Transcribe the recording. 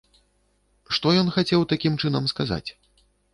Што ён хацеў такім чынам сказаць?